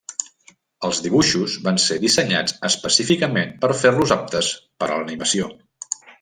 Els dibuixos van ser dissenyats específicament per fer-los aptes per a l'animació.